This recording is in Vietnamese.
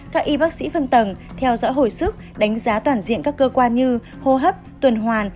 các y bác sĩ phân tầng theo dõi hồi sức đánh giá toàn diện các cơ quan như hô hấp tuần hoàn